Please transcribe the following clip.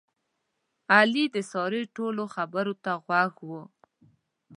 علي د سارې ټولو خبرو ته غوږ و.